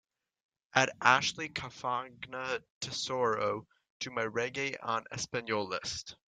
Add Ashley Cafagna Tesoro to my reggae en español list